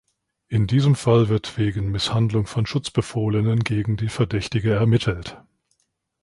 In diesem Fall wird wegen Misshandlung von Schutzbefohlenen gegen die Verdächtige ermittelt.